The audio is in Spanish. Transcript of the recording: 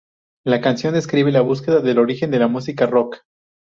La canción describe la búsqueda del origen de la música rock.